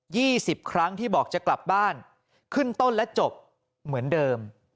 ี่สิบครั้งที่บอกจะกลับบ้านขึ้นต้นและจบเหมือนเดิม